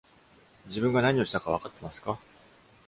自分が何をしたか分かってますか?